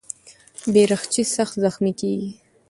بیرغچی سخت زخمي کېږي.